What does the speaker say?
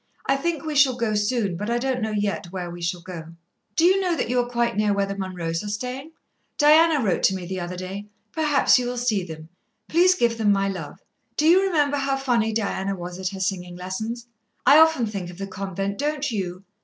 I think we shall go soon, but I don't know yet where we shall go. "Do you know that you are quite near where the Munroes are staying? Diana wrote to me the other day. Perhaps you will see them. Please give them my love. Do you remember how funny Diana was at her singing lessons? I often think of the convent, don't you?